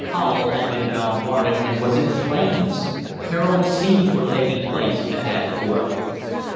Hull had been bombarded, and was in flames! Terrible scenes were taking place at that port.